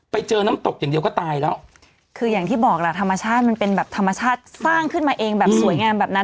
ไปเจอน้ำตกอย่างเดียวก็ตายแล้วคืออย่างที่บอกล่ะธรรมชาติมันเป็นแบบธรรมชาติสร้างขึ้นมาเองแบบสวยงามแบบนั้น